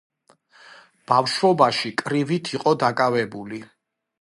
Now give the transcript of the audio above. ბავშვობაში კრივით იყო დაკავებული.